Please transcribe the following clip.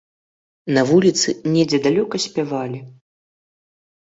На вуліцы недзе далёка спявалі.